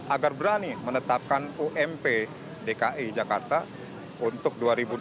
agar berani menetapkan ump dki jakarta untuk dua ribu dua puluh